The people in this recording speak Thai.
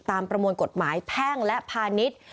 ประมวลกฎหมายแพ่งและพาณิชย์